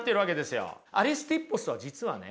アリスティッポスは実はね